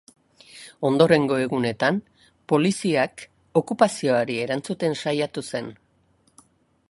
Ondorengo egunetan, poliziak okupazioari erantzuten saiatu zen.